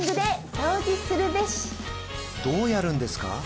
どうやるんですか？